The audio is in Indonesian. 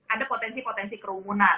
ada potensi potensi kerumunan